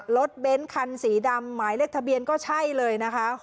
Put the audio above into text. รถเบ้นคันสีดำหมายเลขทะเบียนก็ใช่เลยนะคะ